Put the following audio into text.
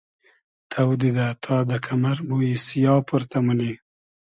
تۆ دیدۂ تا دۂ کئمئر مویی سیا پۉرتۂ مونی